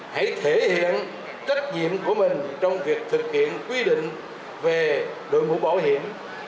hãy thể hiện trách nhiệm của mình trong việc thực hiện quy định về đội mũ bảo hiểm